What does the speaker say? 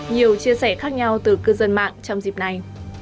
nhiều chia sẻ khác nhau từ cư dân mạng trong dịp này